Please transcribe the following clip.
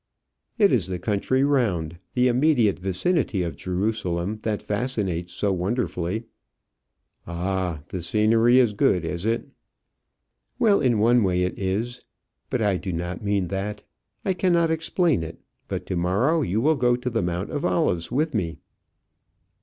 "It is the country round, the immediate vicinity of Jerusalem that fascinates so wonderfully." "Ah! the scenery is good, is it?" "Well, in one way it is; but I do not mean that. I cannot explain it; but to morrow you will go to the Mount of Olives with me."